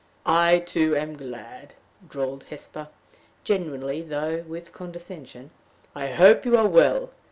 "I, too, am glad," drawled Hesper, genuinely, though with condescension. "I hope you are well.